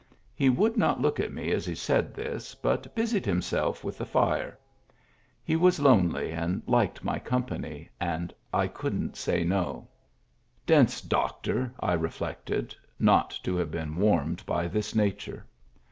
He would not look at me as he said this, but busied himself with the fire. He was lonely, and liked my company, and couldn't say so. Dense doctor ! I reflected, not to have been warmed by this nature.